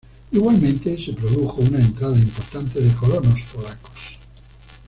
Igualmente, se produjo una entrada importante de colonos polacos.